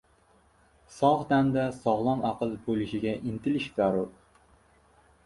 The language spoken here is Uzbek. Sog‘ tanda soglom aql bo‘lishiga intilish zarur.